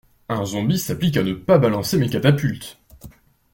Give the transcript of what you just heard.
Un zombie s'applique à ne pas balancer mes catapultes.